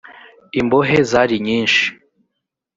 imbohe zarinyishi.